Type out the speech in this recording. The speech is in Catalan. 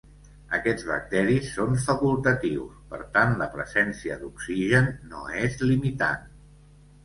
Aquests bacteris són facultatius, per tant la presència d'oxigen no és limitant.